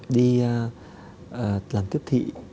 đi làm tiếp thị